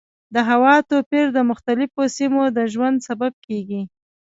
د هوا توپیر د مختلفو سیمو د ژوند سبب کېږي.